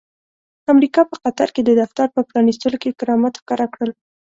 امريکا په قطر کې د دفتر په پرانستلو کې کرامات ښکاره کړل.